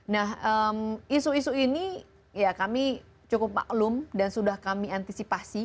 nah isu isu ini ya kami cukup maklum dan sudah kami antisipasi